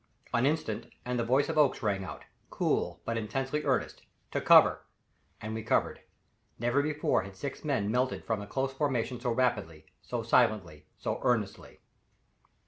An instant, and the voice of Oakes rang out, cool, but intensely earnest, "To cover" and we covered. Never before had six men melted from a close formation so rapidly, so silently, so earnestly.